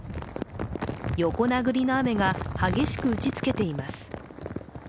横殴りの雨が激しく打ちつけています。